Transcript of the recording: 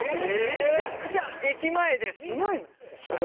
めちゃくちゃ駅前ですごい。